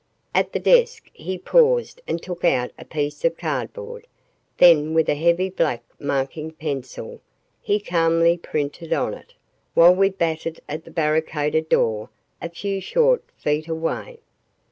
At the desk he paused and took out a piece of cardboard. Then with a heavy black marking pencil, he calmly printed on it, while we battered at the barricaded door, a few short feet away.